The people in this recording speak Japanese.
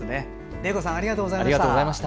礼子さんありがとうございました。